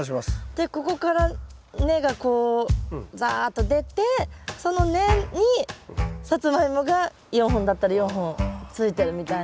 でここから根がこうざっと出てその根にサツマイモが４本だったら４本ついてるみたいな。